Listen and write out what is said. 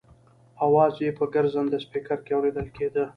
اواز یې په ګرځنده سپېکر کې اورېدل کېده.